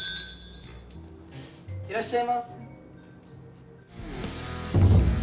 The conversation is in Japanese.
いらっしゃいま。